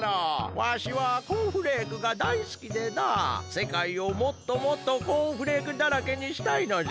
わしはコーンフレークがだいすきでなせかいをもっともっとコーンフレークだらけにしたいのじゃ。